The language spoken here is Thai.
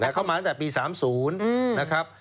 แต่เข้ามาตั้งแต่ปี๓๐นะครับ